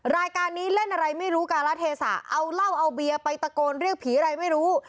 รายการนี้เล่นอะไรไม่รู้การะเทศะเอาเหล้าเอาเบียร์ไปตะโกนเรียกผีอะไรไม่รู้